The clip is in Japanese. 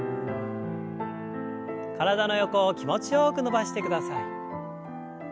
体の横を気持ちよく伸ばしてください。